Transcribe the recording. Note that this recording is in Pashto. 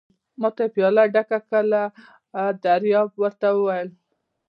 ما ته یې پياله ډکه کړه، دریاب ور ته وویل.